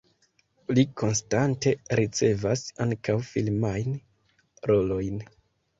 Li konstante ricevas ankaŭ filmajn rolojn.